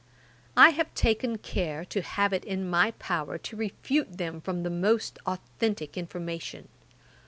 I have taken care to have it in my power to refute them from the most authentick information.